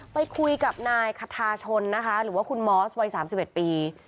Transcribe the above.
ไปคุยกับนายคทาชนนะคะหรือว่าคุณมอสวัย๓๑ปี